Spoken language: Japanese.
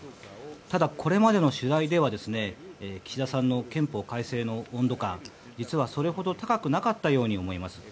ただ、これまでの取材では岸田さんの憲法改正の温度感は実はそれほど高くなかったように思います。